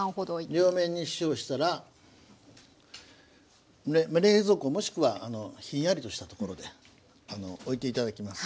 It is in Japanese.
両面に塩したら冷蔵庫もしくはひんやりとした所でおいていただきます。